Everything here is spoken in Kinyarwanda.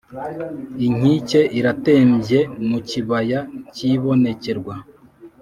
Inkike iratembye mu kibaya cy’ibonekerwa,